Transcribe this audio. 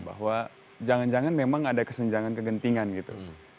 bahwa jangan jangan memang ada kesenjangan kegentingan gitu